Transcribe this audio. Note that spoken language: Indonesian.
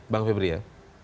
bang febri ya